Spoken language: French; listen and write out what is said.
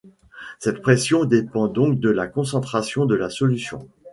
Cette pression dépend donc de la concentration de la solution.